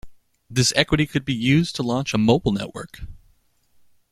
This equity could be used to launch a mobile network.